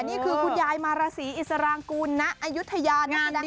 นี่คือคุณยายมาราศีอิสรางกุลณอายุทยานักแสดงอาวุศโส